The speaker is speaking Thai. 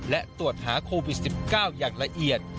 และตรวจหาโควิด๑๙อย่างละเอียด